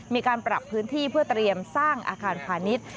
มีการปรับพื้นที่เพื่อเตรียมสร้างอาคารพาณิชย์